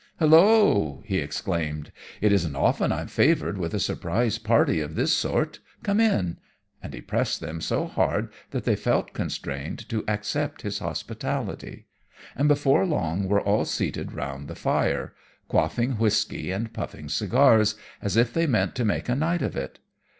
"'Hulloa!' he exclaimed, 'it isn't often I'm favoured with a surprise party of this sort. Come in'; and he pressed them so hard that they felt constrained to accept his hospitality, and before long were all seated round the fire, quaffing whisky and puffing cigars as if they meant to make a night of it.